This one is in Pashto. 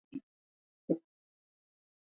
نو عام ملايان ترې يا ډډه کوي